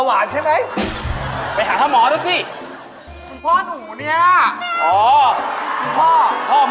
ลิงกัม